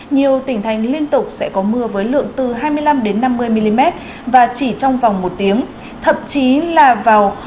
mưa sẽ là trên năm mươi mm